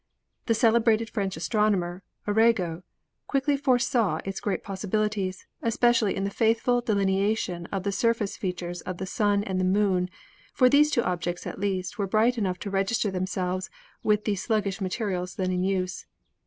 "The celebrated French astronomer, Arago, quickly foresaw its great possibilities, especially in the faithful delineation of the surface features of the Sun and the Moon, for these two objects at least were bright enough to register themselves with the slug gish materials then in use."